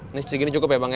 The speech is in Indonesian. ini segini cukup ya bang ya